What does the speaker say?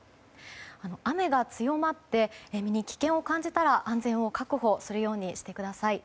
雨が強まって身に危険を感じたら安全を確保するようにしてください。